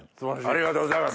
ありがとうございます。